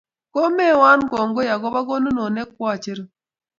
komeowon kongoi akobo konunot ne koacheru.